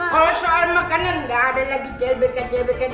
kalau soal makanan gak ada lagi jebekan jebekan